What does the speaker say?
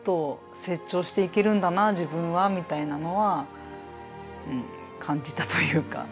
みたいなのは感じたというか。